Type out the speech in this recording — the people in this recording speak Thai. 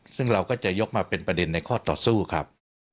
ซึ่งเราก็จะยกมาเป็นประเด็นในข้อต่อสู้ครับ